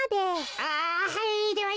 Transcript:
ああはい。